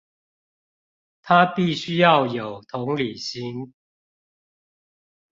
它必須要有同理心